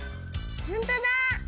ほんとだ！